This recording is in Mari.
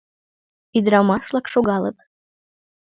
Ӱдырамаш-влак шогалыт.